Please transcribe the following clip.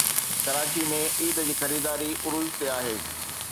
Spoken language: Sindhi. ڪراچي ۾ عيد جي خريداري عروج تي آهي